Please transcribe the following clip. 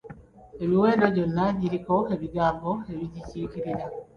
Emiwendo gyonna giriko ebigambo ebigikiikirira.